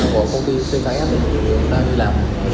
có công ty chs đang đi làm